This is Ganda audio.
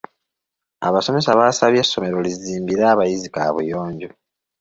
Abasomesa baasabye essomero lizimbire abayizi kaabuyonjo.